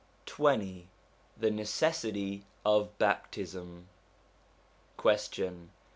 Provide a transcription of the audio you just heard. XX THE NECESSITY OF BAPTISM Question.